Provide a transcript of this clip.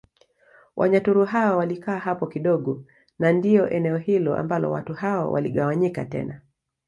Wanyaturu hao walikaa hapo kidogo na ndio eneo hilo ambalo watu hao waligawanyika tena